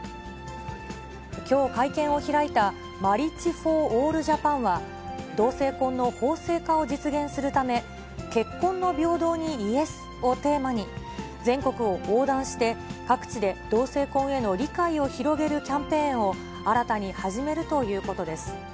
きょう会見を開いた、ＭａｒｒｉａｇｅＦｏｒＡｌｌＪａｐａｎは、同性婚の法制化を実現するため、結婚の平等にイエスをテーマに、全国を横断して、各地で同性婚への理解を広げるキャンペーンを新たに始めるということです。